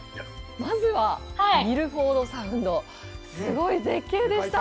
まずはミルフォード・サウンド、すごい絶景でした。